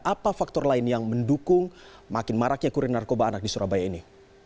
apa faktor lain yang mendukung makin maraknya kurir narkoba anak di surabaya ini